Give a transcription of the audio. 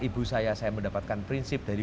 ibu saya saya mendapatkan prinsip dari